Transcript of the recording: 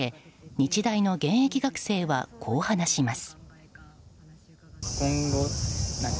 日大の現役学生はこう話します。